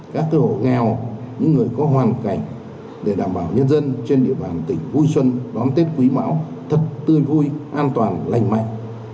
các hộ nghèo những người có hoàn cảnh để đảm bảo nhân dân trên địa bàn tỉnh vui xuân đón tết quý mão thật tươi vui an toàn lành mạnh